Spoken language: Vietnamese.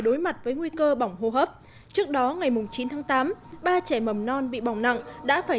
đối mặt với nguy cơ bỏng hô hấp trước đó ngày chín tháng tám ba trẻ mầm non bị bỏng nặng đã phải